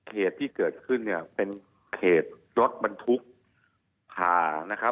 เหตุที่เกิดขึ้นเป็นเหตุรถบรรทุก